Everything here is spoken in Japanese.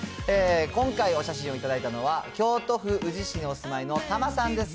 今回、お写真を頂いたのは、京都府宇治市にお住まいのたまさんです。